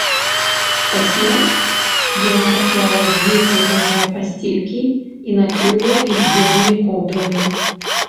Пасля яна паслала дзве прыгожыя пасцелькі і накрыла іх белымі коўдрамі